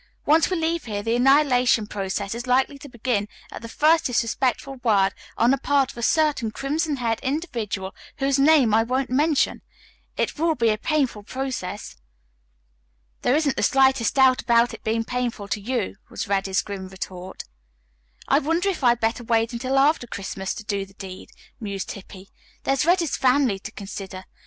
Once we leave here, the annihilation process is likely to begin at the first disrespectful word on the part of a certain crimson haired individual whose name I won't mention. It will be a painful process." "There isn't the slightest doubt about it being painful to you," was Reddy's grim retort. "I wonder if I had better wait until after Christmas to do the deed," mused Hippy. "There's Reddy's family to consider.